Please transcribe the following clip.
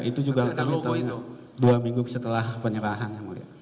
itu juga kami tahu dua minggu setelah penyerahan yang mulia